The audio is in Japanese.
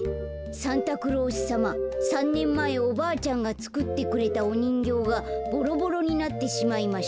「サンタクロースさま３ねんまえおばあちゃんがつくってくれたおにんぎょうがボロボロになってしまいました。